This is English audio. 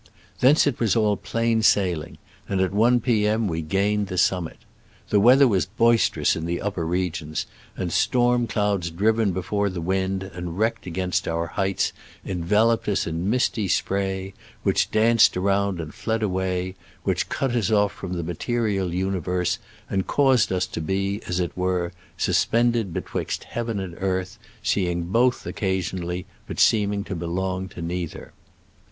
Thence it was all plain sailing, and at i p. m. we gained the summit. The weather was boisterous in the upper regions, and storm clouds driven before the wind and wrecked against our heights enveloped us in misty spray, which danced around and fled away, which cut us off from the material universe, and caused us to be, as it were, suspended betwixt heaven and earth, seeing both occasionally, but seeming to belong to neither.